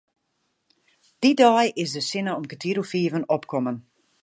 Dy dei is de sinne om kertier oer fiven opkommen.